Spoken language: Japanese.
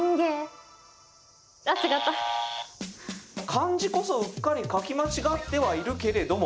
漢字こそうっかり書き間違ってはいるけれども。